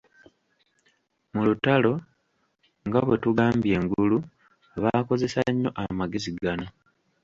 Mu lutalo, nga bwe tugambye engulu, baakozesa nnyo amagezi gano.